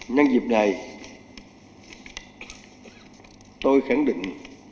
nhân dịp này tôi khẳng định